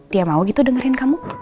dia mau gitu dengerin kamu